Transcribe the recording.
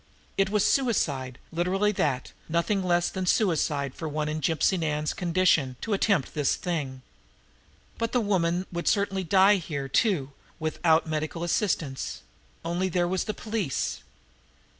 It was suicide, literally that, nothing less than suicide for one in Gypsy Nan's condition to attempt this thing. But the woman would certainly die here, too, with out medical assistance only there was the police!